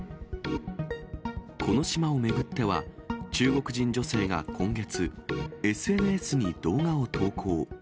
この島を巡っては、中国人女性が今月、ＳＮＳに動画を投稿。